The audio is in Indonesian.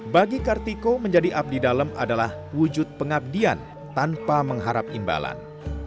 bagi kartiko menjadi abdi dalam adalah wujud pengabdian tanpa mengharap imbalan